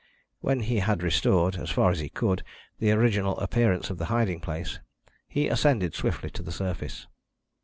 When he had restored, as far as he could, the original appearance of the hiding place, he ascended swiftly to the surface.